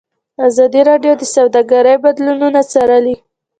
ازادي راډیو د سوداګري بدلونونه څارلي.